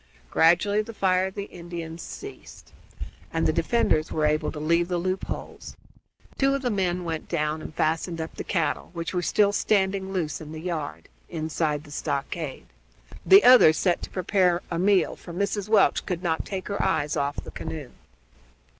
Gradually the fire of the Indians ceased, and the defenders were able to leave the loop holes. Two of the men went down and fastened up the cattle, which were still standing loose in the yard inside the stockade; the other set to to prepare a meal, for Mrs. Welch could not take her eyes off the canoe.